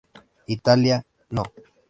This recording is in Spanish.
Italia- No.